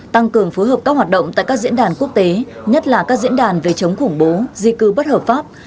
tăng cường phối hợp các hoạt động tại các diễn đàn quốc tế nhất là các diễn đàn về chống khủng bố di cư bất hợp pháp